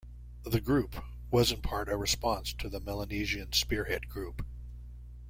The Group was in part a response to the Melanesian Spearhead Group.